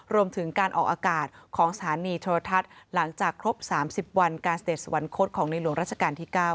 รวมถึงการออกอากาศของสถานีเทราธรรมนั่นและหลังจากครบ๓๐วันการเสร็จสวรรค์ของลดลองราชกาลที่๙ค่ะ